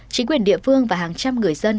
chính quyền địa phương và hàng trăm người dân